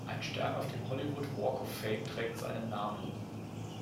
Ein Stern auf dem Hollywood Walk of Fame trägt seinen Namen.